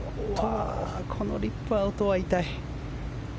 このリップアウトは痛い。